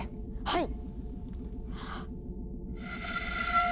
はい。